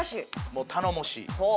もう頼もしい。